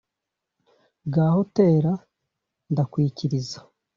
gaho tera ndakwikiriza.